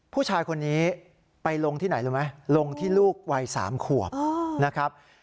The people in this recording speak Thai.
ผู้ชายคนนี้ไปลงที่ไหนรู้ไหมลงที่ลูกวัย๓ขวบนะครับ